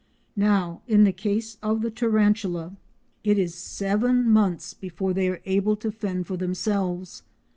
Now in the case of the tarantula, it is seven months before they are able to fend for themselves.